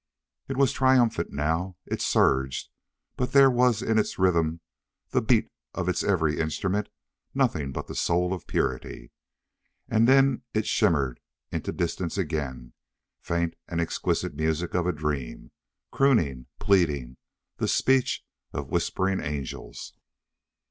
It was triumphant now. It surged, but there was in its rhythm, the beat of its every instrument, nothing but the soul of purity. And then it shimmered into distance again, faint and exquisite music of a dream. Crooning, pleading, the speech of whispering angels.